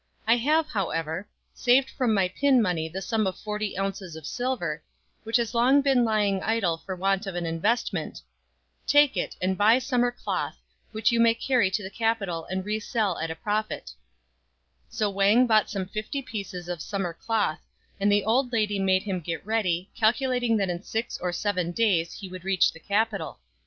I have, however, saved from my pin money the sum of forty ounces of silver, which has long been lying idle for want of an investment. Take it, and buy summer cloth, which you may carry to FROM A CHINESE STUDIO. 69 the capital and re sell at a profit. So Wang bought some fifty pieces of summer cloth; and the old lady made him get ready, calculating that in six or seven days he would reach the capital.